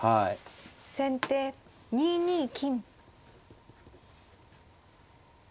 先手２二金。